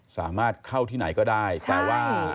สามารถเข้าที่ไหนก็ได้แต่ว่า